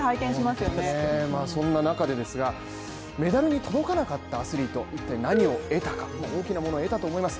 そんな中でメダルに届かなかったアスリート、一体何を得たか、大きなものを得たと思います。